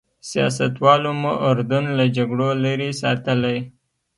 سیاستوالو مو اردن له جګړو لرې ساتلی.